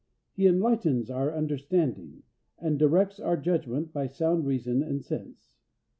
He enlightens our understanding and directs our judgment by sound reason and sense.